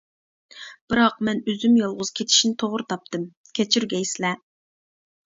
بىراق، مەن ئۆزۈم يالغۇز كېتىشنى توغرا تاپتىم، كەچۈرگەيسىلەر.